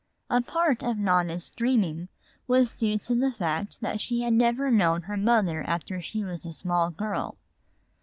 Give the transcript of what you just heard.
A part of Nona's dreaming was due to the fact that she had never known her mother after she was a small girl.